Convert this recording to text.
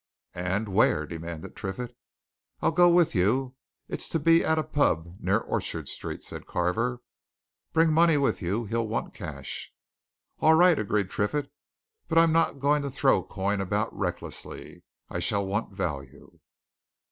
"And where?" demanded Triffitt. "I'll go with you it's to be at a pub near Orchard Street," said Carver. "Better bring money with you he'll want cash." "All right," agreed Triffitt. "But I'm not going to throw coin about recklessly. I shall want value."